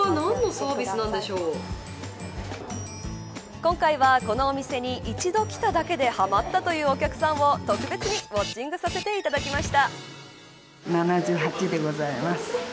今回は、このお店に一度来ただけではまったというお客さんを特別にウオッチングさせていただきました。